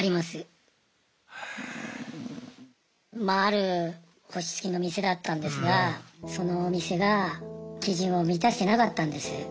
まぁある星付きの店だったんですがそのお店が基準を満たしてなかったんです。